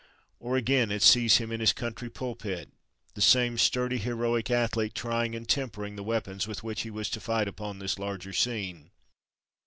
Or, again, it sees him in his country pulpit, the same sturdy, heroic athlete, trying and tempering the weapons with which he was to fight upon this larger scene.